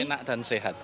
penak dan sehat